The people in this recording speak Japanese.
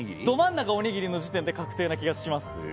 ど真ん中おにぎりの時点で確定な気がします。